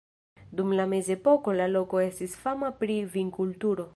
Dum la mezepoko la loko estis fama pri vinkulturo.